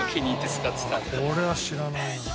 これは知らないな。